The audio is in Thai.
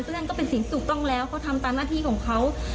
ซึ่งนั่นก็เป็นสิ่งถูกต้องแล้วเขาทำตามหน้าที่ของเขา